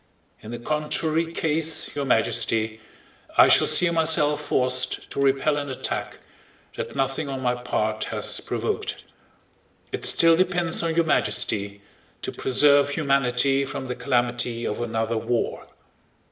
In the contrary case, Your Majesty, I shall see myself forced to repel an attack that nothing on my part has provoked. It still depends on Your Majesty to preserve humanity from the calamity of another war.